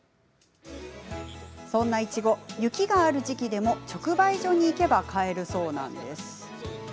そんなイチゴ、雪がある時期でも直売所に行けば買えるそうです。